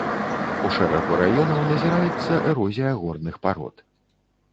У шэрагу раёнаў назіраецца эрозія горных парод.